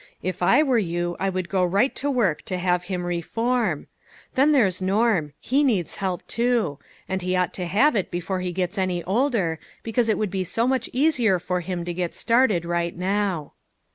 If I were you I would go right to work to have him reform. Then there's Norm he needs help, too ; and he ought to have it before he gets any older, because it would be so much easier for him to get started right now."